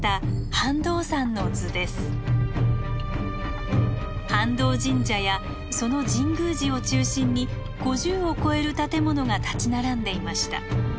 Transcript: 飯道神社やその神宮寺を中心に５０を超える建物が立ち並んでいました。